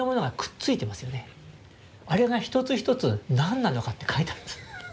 あれが一つ一つ何なのかって書いてあるんです。